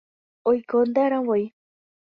oikonte'arãvoi